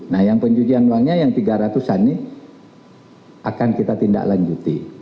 nah yang pencucian uangnya yang tiga ratus an ini akan kita tindak lanjuti